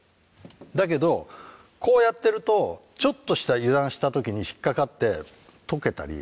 だけどこうやってるとちょっとした油断した時に引っ掛かって解けたりしちゃうわけ。